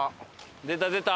出た出た！